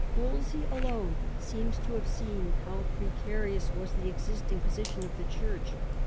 Wolsey alone seems to have seen how precari ^y ous was the existing position of the Church.